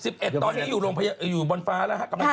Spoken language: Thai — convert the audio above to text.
๑๐ตอนนี้อยู่ลงอยู่บนฟ้าร่ะฮะ